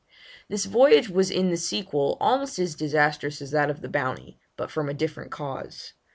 This voyage was in the sequel almost as disastrous as that of the Bounty, but from a different cause.